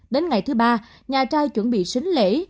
đến ngày thứ ba nhà trai chuẩn bị xính lễ